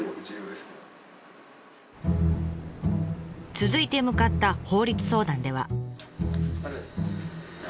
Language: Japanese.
続いて向かった法律相談では。